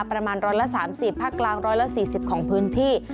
ประมาณ๑๓๐ภาคกลาง๑๔๐ของพื้นที่